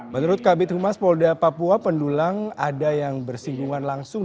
menurut kabit humas polda papua pendulang ada yang bersinggungan langsung